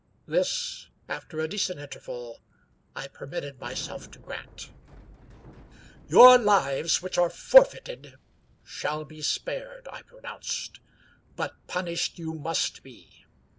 This, after a decent interval, I per mitted myself to grant. " Your lives, which are forfeited, shall be spared," I pronounced. " But punished you must be.